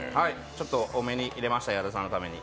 ちょっと多めに入れました、矢田さんのために。